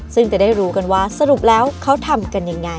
ซึ่งจะได้รู้กันว่าสรุปแล้วเขาทำกันยังไง